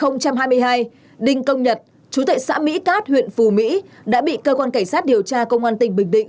năm hai nghìn hai mươi hai đinh công nhật chú tệ xã mỹ cát huyện phù mỹ đã bị cơ quan cảnh sát điều tra công an tỉnh bình định